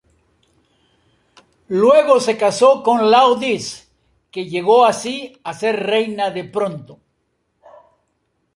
Luego se casó con Laodice, que llegó así a ser reina de Ponto.